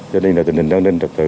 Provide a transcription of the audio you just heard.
cho nên là tình hình an ninh trật tự